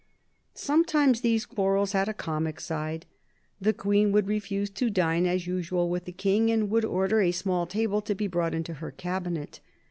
Sometimes these quarrels had a comic side. The Queen would refuse to dine as usual with the King, and would order a small table to be brought into her cabinet.